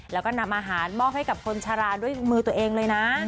แล้วก็นำอาหารมอบให้กับคนชะลาด้วยมือตัวเองเลยนะ